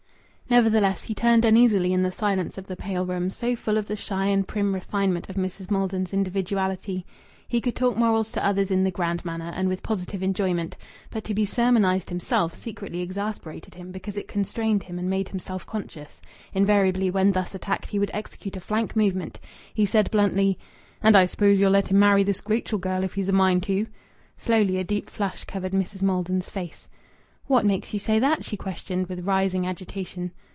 Nevertheless, he turned uneasily in the silence of the pale room, so full of the shy and prim refinement of Mrs. Maldon's individuality. He could talk morals to others in the grand manner, and with positive enjoyment, but to be sermonized himself secretly exasperated him because it constrained him and made him self conscious. Invariably, when thus attacked, he would execute a flank movement. He said bluntly "And I suppose ye'll let him marry this Rachel girl if he's a mind to!" Slowly a deep flush covered Mrs. Maldon's face. "What makes you say that?" she questioned, with rising agitation.